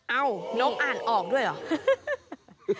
นกอ่านออกด้วยเหรอ